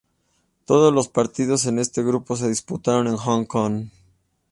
Todos los partidos de este grupo se disputaron en Hong Kong.